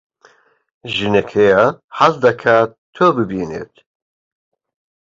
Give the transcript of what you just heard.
ژنێک هەیە حەز دەکات تۆ ببینێت.